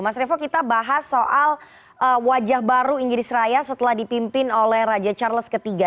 mas revo kita bahas soal wajah baru inggris raya setelah dipimpin oleh raja charles iii